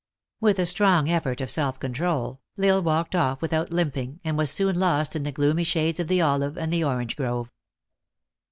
With a strong effort of self control, L Isle walked off without limping, and was goon lost in the gloomy shades of the olive and the orange grove.